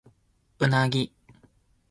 うなぎ